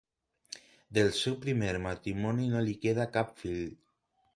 Del seu primer matrimoni no li queda cap fill.